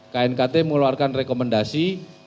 knkt mengeluarkan rekomendasi